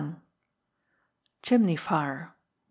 Chimney Fire (1).